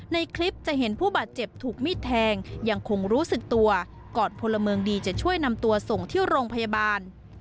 ในคลิปจะเห็นผู้บาดเจ็บถูกมีดแทงยังคงรู้สึกตัวก่อนพลเมืองดีจะช่วยนำตัวส่งที่โรงพยาบาล